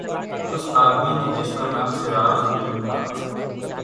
اس آدمی نے جس کا نام سراج دین تھا